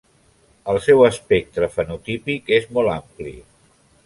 El seu espectre fenotípic és molt ampli.